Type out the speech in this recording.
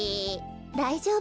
だいじょうぶ。